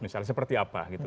misalnya seperti apa gitu